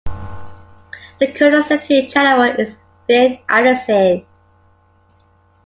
The current Secretary General is Finn Andersen.